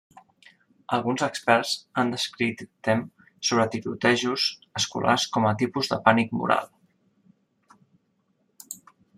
Alguns experts han descrit tem sobre tirotejos escolars com a tipus de pànic moral.